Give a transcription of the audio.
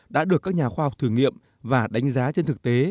đã được các nhà khoa học thử nghiệm và đánh giá trên thực tế